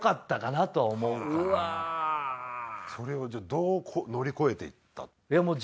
それをどう乗り越えていった？